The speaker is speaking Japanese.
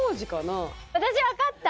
私分かった。